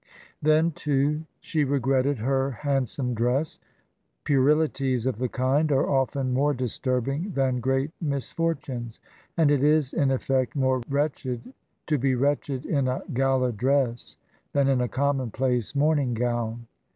Then, too, she regretted her handsome dress. Puerilities of the kind are often more disturbing than great misfortunes. And it is, in effect, more wretched to be wretched in a gala dress than in a commonplace morning gown.